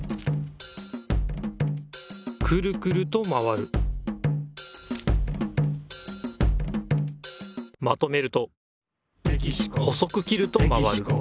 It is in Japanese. くるくるとまわるまとめると細く切るとまわる。